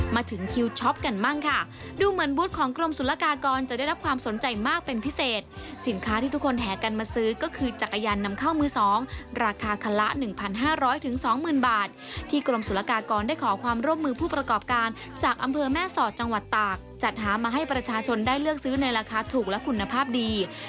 มาถึงคิวช็อปกันบ้างค่ะดูเหมือนบูธของกรมศุลกากรจะได้รับความสนใจมากเป็นพิเศษสินค้าที่ทุกคนแห่กันมาซื้อก็คือจักรยานนำเข้ามือสองราคาคันละ๑๕๐๐๒๐๐๐บาทที่กรมศุลกากรได้ขอความร่วมมือผู้ประกอบการจากอำเภอแม่สอดจังหวัดตากจัดหามาให้ประชาชนได้เลือกซื้อในราคาถูกและคุณภาพดี